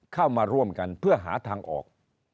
เข้ามาร่วมกันเพื่อหาทางออก